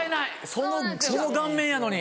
その顔面やのに。